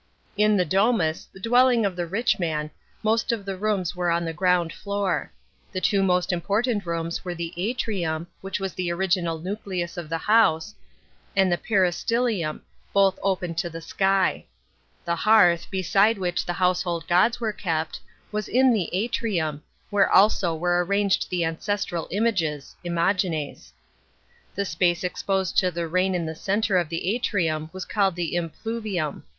In the domus, the dwelling of the rich man, most of the rooms were on the ground floor. The two most important rooms were the atrium, which was the original nucleus of the house, and the peristylium, both open to the sky. The hearth, beside which the household go is were kept, was in the atrium, where also were arranged the ancestral images (imagines')* The space exposed to the rain in the centre of the a'rium was calle 1 the impluvium.